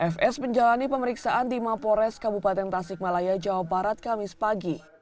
fs menjalani pemeriksaan di mapores kabupaten tasikmalaya jawa barat kamis pagi